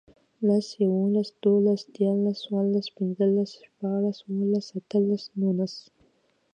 لس, یوولس, دوولس, دیرلس، څورلس, پنځلس, شپاړس, اووهلس, اتهلس, نونس